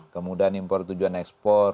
kemudian import tujuan ekspor